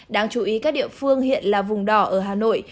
đáng chú ý các địa phương hiện là vùng đỏ ở hà nội